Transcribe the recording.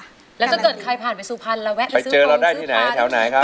แล้วก็ถ้าเกิดใครผ่านไปสุพรรค์นี้ไปเจอเราได้ที่ไหนคราวไหนครับ